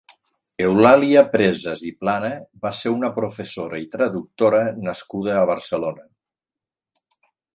Eulàlia Presas i Plana va ser una professora i traductora nascuda a Barcelona.